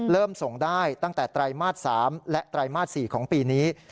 ส่งได้ตั้งแต่ไตรมาส๓และไตรมาส๔ของปีนี้